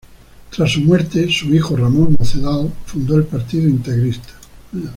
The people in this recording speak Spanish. Tras su muerte, su hijo Ramón Nocedal fundó el partido integrista.